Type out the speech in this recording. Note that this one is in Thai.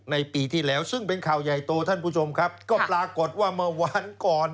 ปีที่แล้วซึ่งเป็นข่าวใหญ่โตท่านผู้ชมครับก็ปรากฏว่าเมื่อวานก่อน